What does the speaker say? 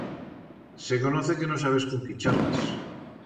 Se conoce que no sabes con quí charras.